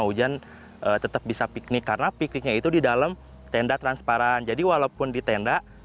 hujan tetap bisa piknik karena pikniknya itu di dalam tenda transparan jadi walaupun di tenda